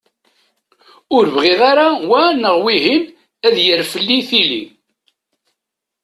Ur bɣiɣ ara wa neɣ wihin ad d-yerr fell-i tili.